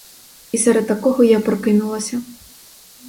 І серед такого я прокинулася.